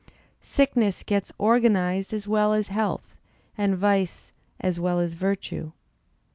Sickness gets organized as well as health, and vice as well as virtue.